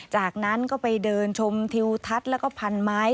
จากนั้นก็ไปเดินชมทิวทัศน์แล้วก็พันไม้